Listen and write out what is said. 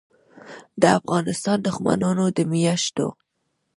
دافغانستان دښمنانودمیاشتو